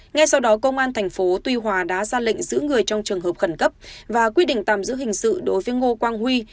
ngay sau đó công an tp tuy hòa đã ra lệnh giữ người trong trường hợp khẩn cấp và quy định tạm giữ hình sự đối với ngô quang huy